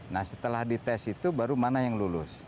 nah setelah dites itu baru mana yang lulus